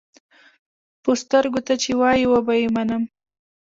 پۀ سترګو، تۀ چې وایې وبۀ یې منم.